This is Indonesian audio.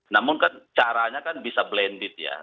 namun kan caranya kan bisa blended ya